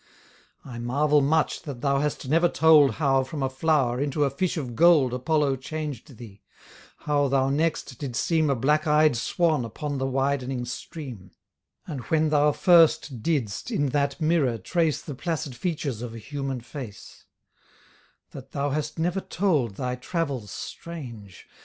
I marvel much that thou hast never told How, from a flower, into a fish of gold Apollo chang'd thee; how thou next didst seem A black eyed swan upon the widening stream; And when thou first didst in that mirror trace The placid features of a human face: That thou hast never told thy travels strange.